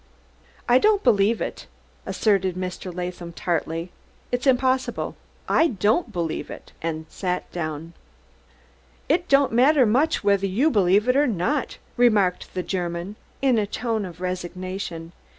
"I don't believe it," asserted Mr. Latham tartly. "It's impossible! I don't believe it!" And sat down. "Id don'd madder much whedher you belief id or nod," remarked the German in a tone of resignation.